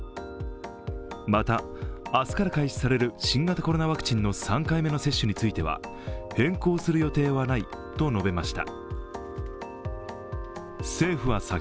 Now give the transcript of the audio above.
また明日から開始される新型コロナの３回目の接種については変更する予定はないと述べました。